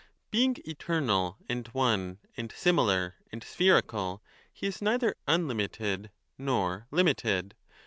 Being eternal and one and similar and spherical, he is neither unlimited nor limited.